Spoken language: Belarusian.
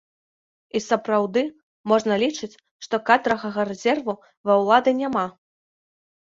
І сапраўды можна лічыць, што кадравага рэзерву ва ўлады няма.